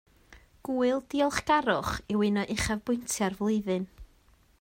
Gŵyl diolchgarwch yw un o uchafbwyntiau'r flwyddyn